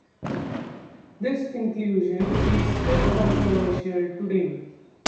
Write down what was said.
This inclusion is still controversial today.